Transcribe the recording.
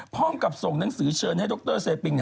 พร้อมกับส่งหนังสือเชิญให้ดรเซปิง